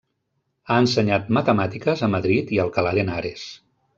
Ha ensenyat Matemàtiques a Madrid i Alcalà d'Henares.